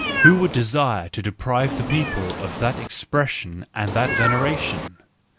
Who would desire to deprive the people of that expression and that veneration ?